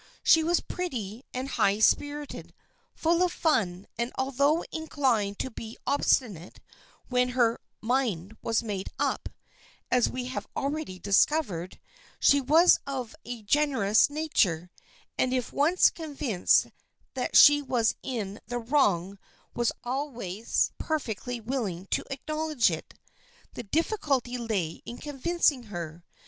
She was pretty and high spirited, full of fun, and although inclined to be obstinate when her " mind was made up," as we have already discovered, she was of a generous nature, and if once convinced that she was in the wrong was always perfectly willing to acknowledge it. The difficulty lay in convincing her.